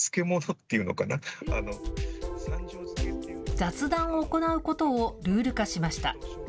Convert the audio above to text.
雑談を行うことをルール化しました。